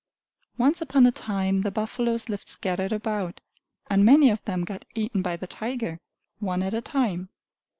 Once upon a time the buffaloes lived scattered about, and many of them got eaten by the tiger, one at a time.